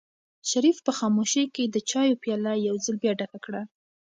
شریف په خاموشۍ کې د چایو پیاله یو ځل بیا ډکه کړه.